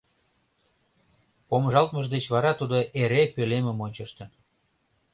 Помыжалтмыж деч вара тудо эре пӧлемым ончыштын.